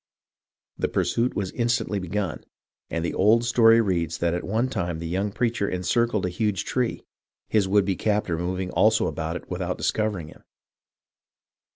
The pursuit was instantly begun, and the old story reads that at one time the young preacher encircled a huge tree, his would be captor moving also about it without discovering him.